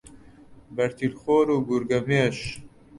بەرتیل خۆر و گورگەمێش